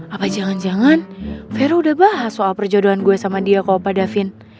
apa jangan jangan vero udah bahas soal perjodohan gue sama dia ke opa davin